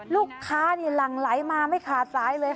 ลูกค้านี่หลั่งไหลมาไม่ขาดสายเลยค่ะ